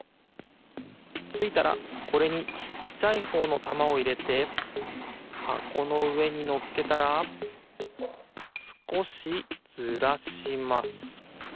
ついたらこれにちっちゃいほうのたまをいれてはこのうえにのっけたらすこしずらします。